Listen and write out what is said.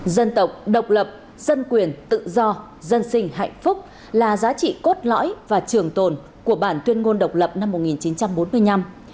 dân tộc độc lập dân quyền tự do dân sinh hạnh phúc là giá trị cốt lõi và trường tồn của bản tuyên ngôn độc lập năm một nghìn chín trăm bốn mươi năm